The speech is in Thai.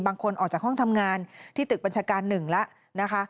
บางคนออกจากห้องทำงานที่ตึกบัญชการ๑แล้ว